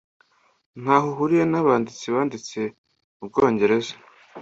ntaho ahuriye nabanditsi banditse mubwongereza